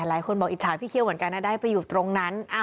หลายคนบอกอิจฉาพี่เคี่ยวเหมือนกันนะได้ไปอยู่ตรงนั้น